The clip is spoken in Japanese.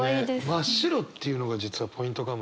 「真っ白」っていうのが実はポイントかもね。